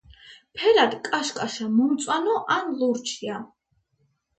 ფერად კაშკაშა მომწვანო ან ლურჯია.